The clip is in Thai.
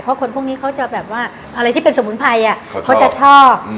เพราะคนพวกนี้เขาจะแบบว่าอะไรที่เป็นสมุนไพรเขาจะชอบ